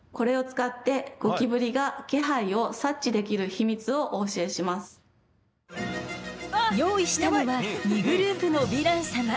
これを使って用意したのは２グループのヴィラン様。